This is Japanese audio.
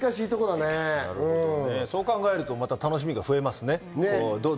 そう考えると、また楽しみも増えますね。